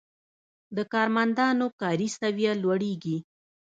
د کارمندانو کاري سویه لوړیږي.